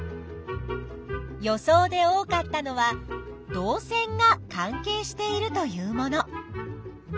予想で多かったのは「導線が関係している」というもの。